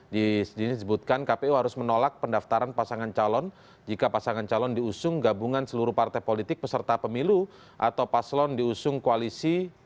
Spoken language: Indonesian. di sini disebutkan kpu harus menolak pendaftaran pasangan calon jika pasangan calon diusung gabungan seluruh partai politik peserta pemilu atau paslon diusung koalisi